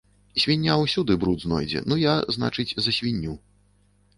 Свіння ўсюды бруд знойдзе, ну я, значыць, за свінню.